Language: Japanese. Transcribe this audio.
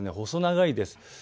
細長いです。